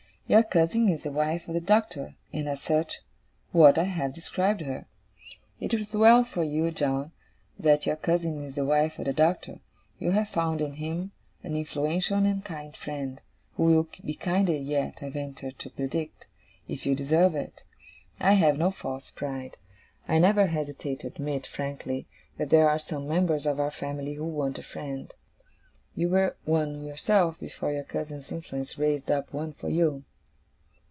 your cousin is the wife of the Doctor, and, as such, what I have described her. It is well for you, John, that your cousin is the wife of the Doctor. You have found in him an influential and kind friend, who will be kinder yet, I venture to predict, if you deserve it. I have no false pride. I never hesitate to admit, frankly, that there are some members of our family who want a friend. You were one yourself, before your cousin's influence raised up one for you.